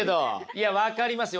いや分かりますよ。